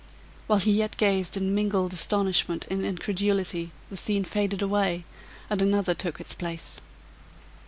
While he yet gazed in mingled astonishment and incredulity, the scene faded away, and another took its place.